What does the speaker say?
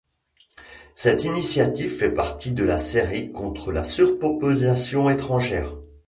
Cette initiative fait partie de la série contre la surpopulation étrangère.